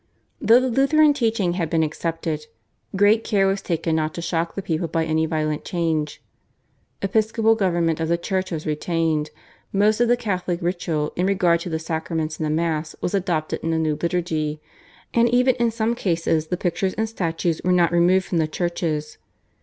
Though the Lutheran teaching had been accepted, great care was taken not to shock the people by any violent change. Episcopal government of the Church was retained; most of the Catholic ritual in regard to the sacraments and the Mass was adopted in the new liturgy, and even in some cases the pictures and statues were not removed from the churches.